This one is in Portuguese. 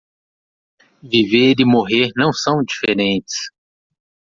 Viver e morrer não são diferentes